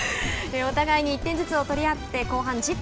お互いに１点ずつを取り合って後半１０分。